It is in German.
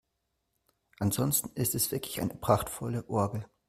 Ansonsten ist es wirklich eine prachtvolle Orgel.